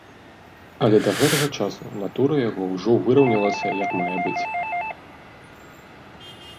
Але да гэтага часу натура яго ўжо выраўнялася як мае быць.